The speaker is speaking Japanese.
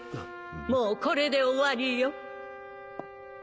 もうこれで終わりよ。